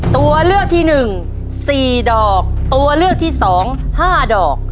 ตัวเลือกที่หนึ่งสี่ดอกตัวเลือกที่สองห้าดอก